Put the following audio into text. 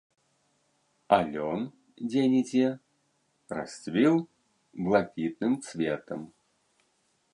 А лён дзе-нідзе расцвіў блакітным цветам.